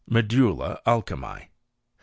Medulla Alchymiee.